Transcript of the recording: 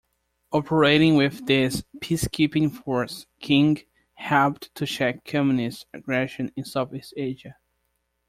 Operating with this peacekeeping force, "King" helped to check Communist aggression in Southeast Asia.